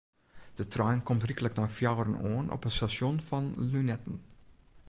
De trein komt ryklik nei fjouweren oan op it stasjon fan Lunetten.